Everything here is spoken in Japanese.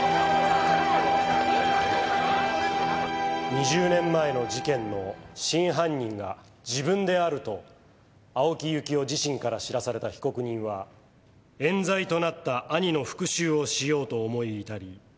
２０年前の事件の真犯人が自分であると青木由紀男自身から知らされた被告人は冤罪となった兄の復讐をしようと思い至り